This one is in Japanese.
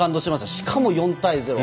しかも４対０。